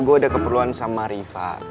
gue ada keperluan sama riva